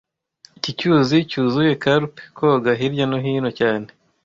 Iki cyuzi cyuzuye karp koga hirya no hino cyane